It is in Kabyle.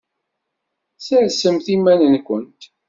Sersemt iman-nkent!